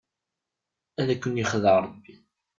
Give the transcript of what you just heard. Ad ken-ixdeɛ Ṛebbi.